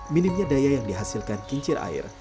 minimnya daya yang dihasilkan kincir air